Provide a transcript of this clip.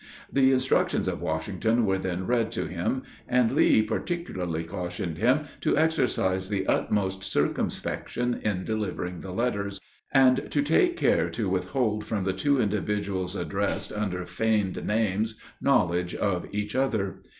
The instructions of Washington were then read to him; and Lee particularly cautioned him to exercise the utmost circumspection in delivering the letters, and to take care to withhold from the two individuals addressed under feigned names, knowledge of each other.